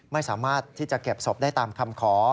ไม่สามารถที่จะเก็บศพได้ตามคำขอ